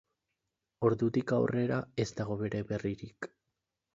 Ordutik aurrera, ez dago bere berririk.